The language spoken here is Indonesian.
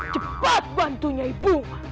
cepat bantu nyai bunga